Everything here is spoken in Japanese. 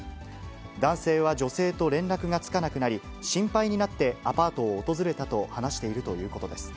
男性は女性と連絡がつかなくなり、心配になってアパートを訪れたと話しているということです。